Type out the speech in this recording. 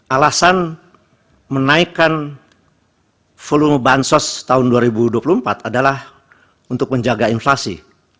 alasan menaikkan volume bansos tahun dua ribu dua puluh empat adalah untuk menjaga inflasi